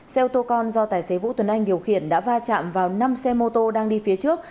xe ô tô con do tài xế vũ tuấn anh điều khiển đã va chạm vào năm xe mô tô đang đi phía trước